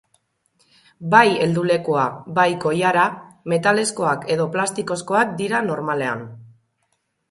Bai heldulekua bai koilara metalezkoak edo plastikozkoak dira normalean.